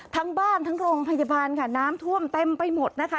ทั้งบ้านทั้งโรงพยาบาลค่ะน้ำท่วมเต็มไปหมดนะคะ